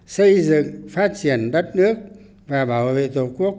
xây dựng phát triển đất nước và bảo vệ tổ quốc